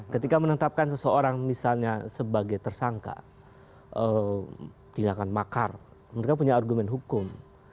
ketika menetapkan seseorang misalnya sebagai tersangka tindakan makar mereka punya argumen hukum